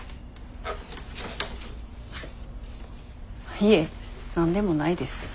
いえ何でもないです。